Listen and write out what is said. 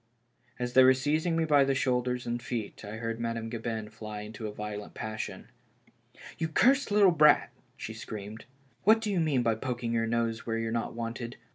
As they were seizing me by the shoulders and feet, I heard Madame Gabin fly into a violent passion. "You cursed little brat," she screamed, "what do you mean by poking your nose where you're not wanted